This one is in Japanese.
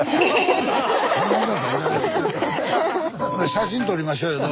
写真撮りましょうよ